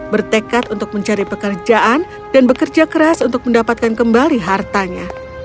bertekad untuk mencari pekerjaan dan bekerja keras untuk mendapatkan kembali hartanya